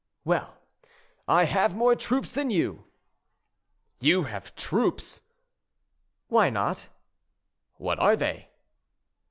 "Well, I have more troops than you." "You have troops?" "Why not?" "What are they?"